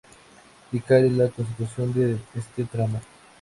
Lircay es la continuación de este tramo.